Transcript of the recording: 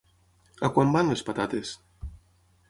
A quant van les patates?